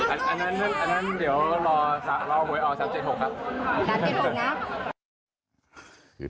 อันนั้นเดี๋ยวรอหวยออก๓๗๖ครับ